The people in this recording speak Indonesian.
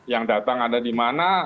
yang datang ada di mana